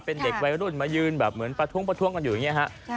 เป็นเด็กวัยรุ่นมายืนประท้วงกันอยู่อย่างนี้